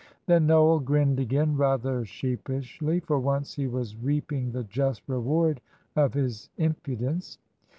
Then Noel grinned again, rather sheepishly. For once he was reaping the just reward of his impudence.